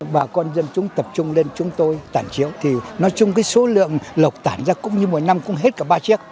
bà con dân chúng tập trung lên chúng tôi tản chiếu nói chung số lượng lộc tản ra cũng như một năm cũng hết cả ba chiếc